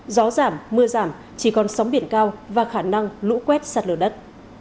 gió giảm mưa giảm chỉ còn sóng biển cao và khả năng lũ quét sạt lở đất